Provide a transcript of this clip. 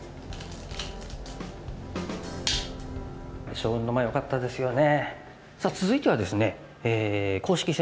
祥雲の間よかったですよね。